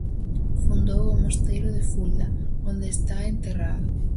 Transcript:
Fundou o mosteiro de Fulda, onde está enterrado.